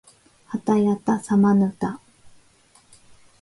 はたやたさまぬた